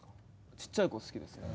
ちっちゃい子好きですね。